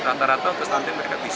tantara tahu terus nanti mereka bisa